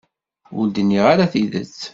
Ur d-nniɣ ara tidet.